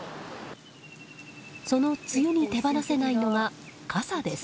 その梅雨に手放せないのが傘です。